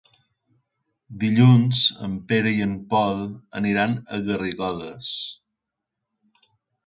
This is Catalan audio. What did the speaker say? Dilluns en Pere i en Pol aniran a Garrigoles.